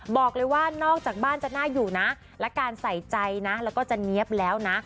บอกเลยว่านอกจากบ้านจะน่าอยู่นะและการใส่ใจนะแล้วก็จะเนี๊ยบแล้วนะ